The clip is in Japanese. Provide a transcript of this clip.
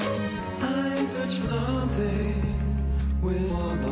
はい。